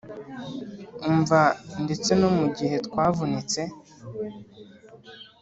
umva, ndetse no mugihe twavunitse,